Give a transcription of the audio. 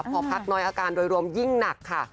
พอพักน้อยอาการโดยรวมยิ่งหนักค่ะ